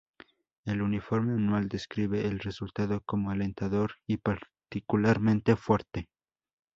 El informe anual describe el resultado como "alentador y particularmente fuerte".